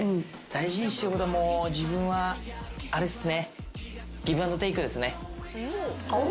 大事にしてることは自分はあれっすね。